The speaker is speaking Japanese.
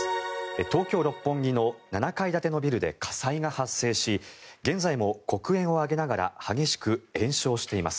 東京・六本木の７階建てのビルで火災が発生し現在も黒煙を上げながら激しく延焼しています。